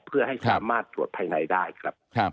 เพื่อให้สามารถตรวจภายในได้ครับ